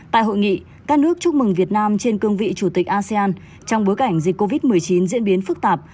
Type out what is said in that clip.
tại hội nghị các nước chúc mừng việt nam trên cương vị chủ tịch asean trong bối cảnh dịch covid một mươi chín diễn biến phức tạp